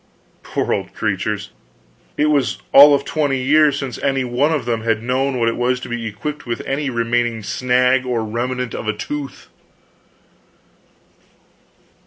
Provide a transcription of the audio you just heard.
Poor old creatures, it was all of twenty years since any one of them had known what it was to be equipped with any remaining snag or remnant of a tooth.